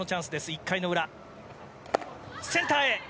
１回の裏センターへ。